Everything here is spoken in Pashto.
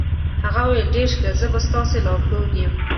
هغه وویل ډېر ښه، زه به ستاسې لارښود یم.